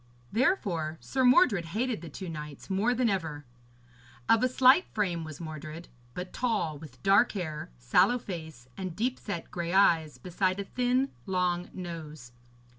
Therefore Sir Mordred hated the two knights more than ever. Of a slight frame was Mordred, but tall, with dark hair, sallow face, and deep set grey eyes beside a thin long nose.